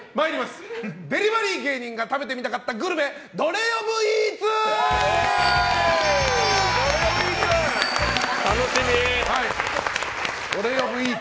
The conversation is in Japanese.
デリバリー芸人が食べてみたかったグルメどれ呼ぶイーツ！